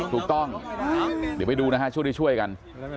ถูกต้องเดี๋ยวไปดูนะฮะช่วงที่ช่วยกัน